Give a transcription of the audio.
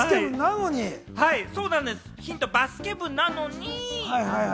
ヒントは、バスケ部なのに。